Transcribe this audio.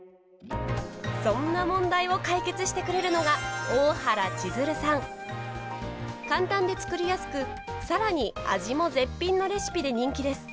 そんな問題を解決してくれるのが簡単で作りやすく更に味も絶品のレシピで人気です。